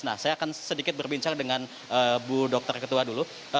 nah saya akan sedikit berbincang dengan bu dokter ketua dulu